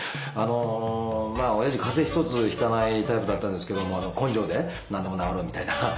あのまあおやじ風邪一つひかないタイプだったんですけども根性で何でも治るみたいな。